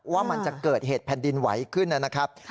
ว่ามันจะเกิดเหตุแผ่นดินไหวขึ้นนะครับ